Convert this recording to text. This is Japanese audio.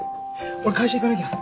俺会社行かなきゃ。